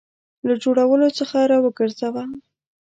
له جوړولو څخه را وګرځاوه.